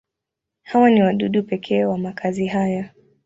Hawa ni wadudu pekee wa makazi haya.